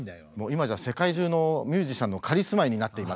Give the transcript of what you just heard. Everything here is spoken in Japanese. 今じゃ世界中のミュージシャンの仮住まいになっています。